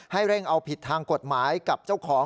เร่งเอาผิดทางกฎหมายกับเจ้าของ